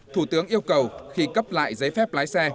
thủ tướng yêu cầu khi cấp lại giấy phép lái xe